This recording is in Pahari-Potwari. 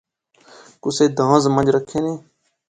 کُسے دانذ مہنج رکھےنے